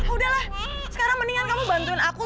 udah lah sekarang mendingan kamu bantuin aku